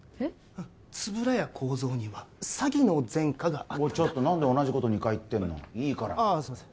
うん円谷耕三には詐欺の前科があったちょっと何で同じこと２回言ってんのいいからああすいません